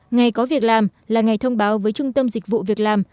ngày có việc làm là ngày thông báo với trung tâm dịch vụ việc làm